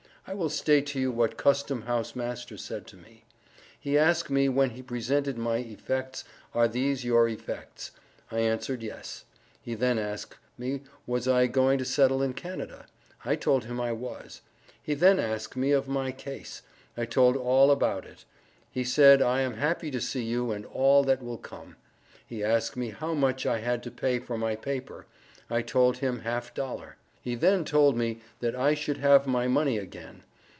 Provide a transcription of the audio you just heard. I will state to you what Custom house master said to me. He ask me when he Presented my efects are these your efects. I answered yes. He then ask me was I going to settle in Canada. I told him I was. He then ask me of my case. I told all about it. He said I am happy to see you and all that will come. He ask me how much I had to pay for my Paper. I told him half dollar. He then told me that I should have my money again.